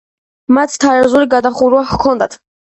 მათ თარაზული გადახურვა ჰქონიათ.